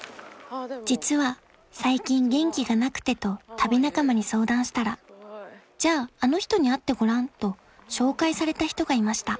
［実は「最近元気がなくて」と旅仲間に相談したら「じゃああの人に会ってごらん」と紹介された人がいました］